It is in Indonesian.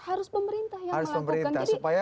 harus pemerintah yang melakukan